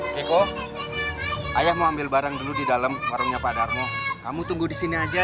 keko ayah mau ambil barang dulu di dalam warungnya pak darmo kamu tunggu di sini aja